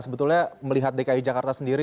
sebetulnya melihat dki jakarta sendiri